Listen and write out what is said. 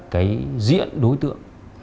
cái diễn đối tượng